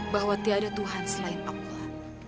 bahwa tidak ada tuhan selain allah